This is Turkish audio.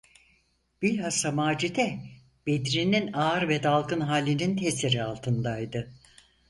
Bilhassa Macide Bedri’nin ağır ve dalgın halinin tesiri altındaydı.